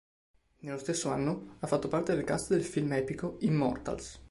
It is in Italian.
Nello stesso anno ha fatto parte del cast del film epico "Immortals".